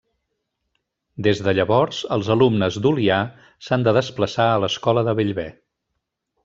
Des de llavors els alumnes d'Olià s'han de desplaçar a l'Escola de Bellver.